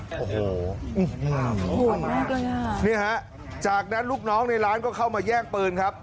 ท่านมากได้แหล่ะเนี้ยฮะจากนั้นลูกน้องในร้านก็เข้ามาแยกปืนครับ